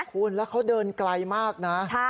คุณแล้วเขาเดินไกลมากนะ